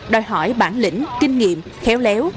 đòi hỏi bản lĩnh kinh nghiệm khéo léo